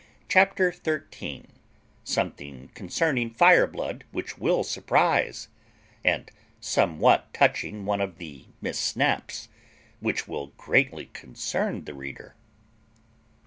CHAPTER THIRTEEN SOMETHING CONCERNING FIREBLOOD WHICH WILL SURPRIZE; AND SOMEWHAT TOUCHING ONE OF THE MISS SNAPS, WHICH WILL GREATLY CONCERN THE READER.